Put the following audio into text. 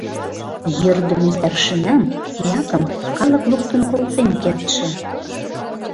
Йӧрдымӧ старшинам, тиакым калык луктын колтен кертше.